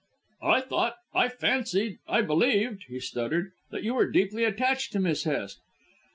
"I thought I fancied I believed," he stuttered, "that you were deeply attached to Miss Hest."